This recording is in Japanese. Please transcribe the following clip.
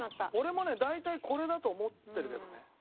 俺もね大体これだと思ってるけどね。